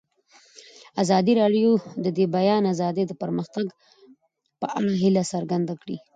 ازادي راډیو د د بیان آزادي د پرمختګ په اړه هیله څرګنده کړې.